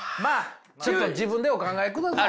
ちょっと自分でお考えください。